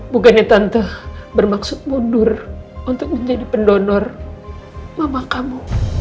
bukannya tante bermaksud mundur untuk menjadi pendonor mama kamu